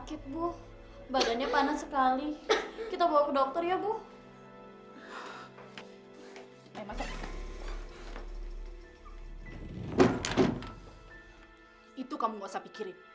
itu kamu gak usah pikirin